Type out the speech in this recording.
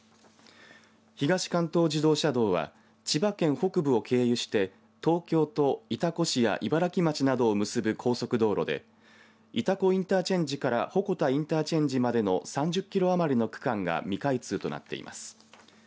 東関東自動車道は千葉県北部を経由して東京と潮来市や茨城町などを結ぶ高速道路で潮来インターチェンジから鉾田インターチェンジまでの３０キロ余りの区間が未開通となっています。